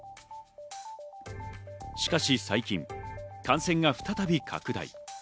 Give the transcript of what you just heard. しかし最近、感染が再び拡大。